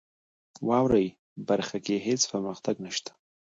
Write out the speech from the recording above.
واورئ برخه کې هیڅ پرمختګ نشته .